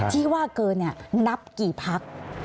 ที่ว่าเกินนับกี่พัก